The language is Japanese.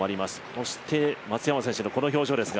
そして松山選手のこの表情ですが。